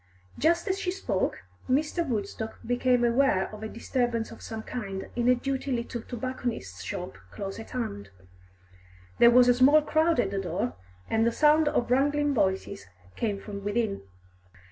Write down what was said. Just as she spoke, Mr. Woodstock became aware of a disturbance of some kind in a dirty little tobacconist's shop close at hand. There was a small crowd at the door, and the sound of wrangling voices came from within.